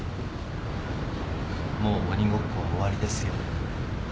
もう鬼ごっこは終わりですよ。